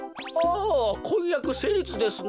おこんやくせいりつですな。